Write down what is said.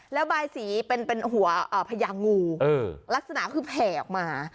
แล้วใบสีเป็นเป็นหัวอ่าพญางูเออลักษณะคือแผ่ออกมา